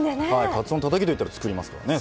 かつおのたたきといったら作りますけどね